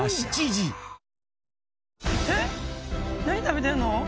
何食べてんの？